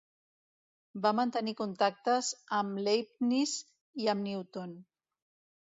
Va mantenir contactes amb Leibniz i amb Newton.